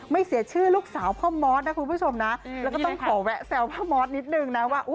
เสียชื่อลูกสาวพ่อมอสนะคุณผู้ชมนะแล้วก็ต้องขอแวะแซวพ่อมอสนิดนึงนะว่า